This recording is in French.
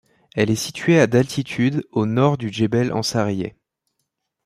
Elle est située à d'altitude au nord du djébel Ansariyeh.